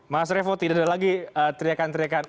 mas revo tidak ada lagi teriakan teriakan